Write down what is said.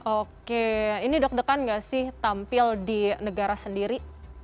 oke ini deg degan gak sih tampil di negara sendiri